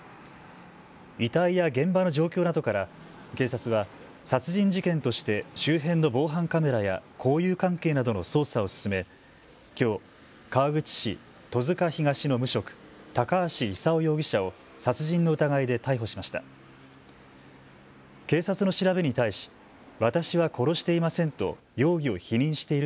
遺体や現場の状況などから警察は殺人事件として周辺の防犯カメラや交友関係などの捜査を進め、きょう川口市戸塚東の無職、高橋勲容疑者を殺人の疑いで逮捕しました。